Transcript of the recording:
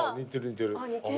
似てる。